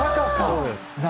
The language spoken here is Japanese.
そうです。